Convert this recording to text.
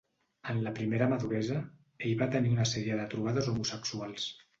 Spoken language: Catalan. En la primera maduresa ell va tenir una sèrie de trobades homosexuals.